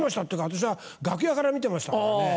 私は楽屋から見てましたからね。